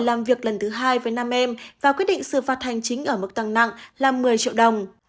làm việc lần thứ hai với nam em và quyết định xử phạt hành chính ở mức tăng nặng là một mươi triệu đồng